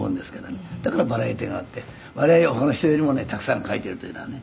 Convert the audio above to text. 「だからバラエティーがあって割合他の人よりもねたくさん書いてるというのはね」